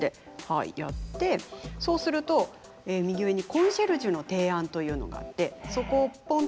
はいやってそうすると右上にコンシェルジュの提案というのがあってそこをポンと押すと。